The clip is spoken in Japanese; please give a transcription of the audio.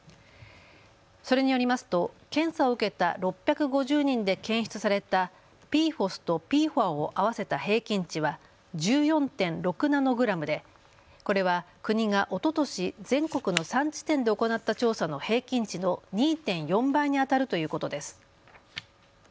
それによりますと検査を受けた６５０人で検出されたＰＦＯＳとＰＦＯＡを合わせた平均値は１４．６ナノグラムでこれは国がおととし全国の３地点で行った調査の平均値の２．４倍にあたるということです。